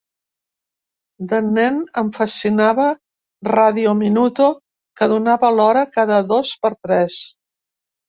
De nen, em fascinava Radio Minuto, que donava l'hora cada dos per tres.